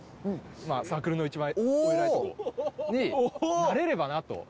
サークルの一番お偉い方になれればなと。